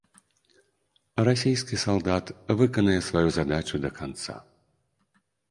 Расійскі салдат выканае сваю задачу да канца!